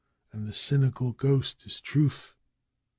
And the cynical ghost is Truth!